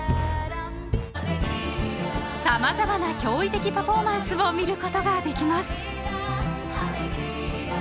［様々な驚異的パフォーマンスを見ることができます］